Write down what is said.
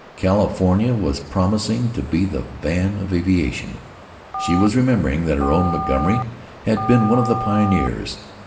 California was promising to be in the van of aviation. She was remembering that her own Montgomery had been one of the pioneers.